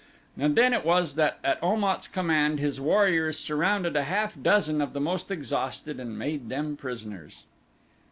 And then it was that at Om at's command his warriors surrounded a half dozen of the most exhausted and made them prisoners.